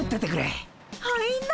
はいな。